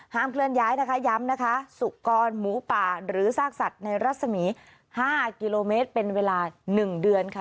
เคลื่อนย้ายนะคะย้ำนะคะสุกรหมูป่าหรือซากสัตว์ในรัศมี๕กิโลเมตรเป็นเวลา๑เดือนค่ะ